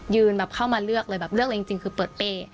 ยืนเข้ามาเลือกเลยเลือกอะไรจริงคือเปิดเป้